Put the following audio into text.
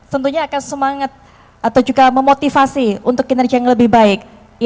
tentunya akan semangat atau juga memotivasi untuk kinerja yang lebih baik